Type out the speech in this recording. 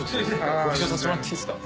ご一緒させてもらっていいですか？